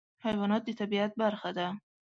حیوانات د طبیعت برخه ده.